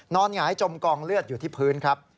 หงายจมกองเลือดอยู่ที่พื้นครับ